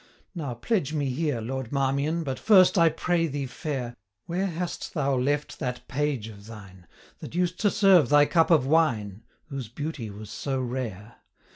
'Now pledge me here, Lord Marmion: But first I pray thee fair, Where hast thou left that page of thine, 235 That used to serve thy cup of wine, Whose beauty was so rare?